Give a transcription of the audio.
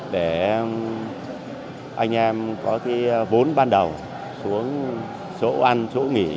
để anh em có cái vốn ban đầu xuống chỗ ăn chỗ nghỉ